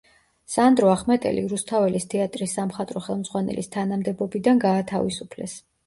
სანდრო ახმეტელი რუსთაველის თეატრის სამხატვრო ხელმძღვანელის თანამდებობიდან გაათავისუფლეს.